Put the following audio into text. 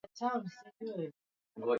Kiti cha mwalimu kimevunjika.